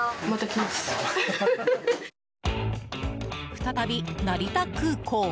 再び成田空港。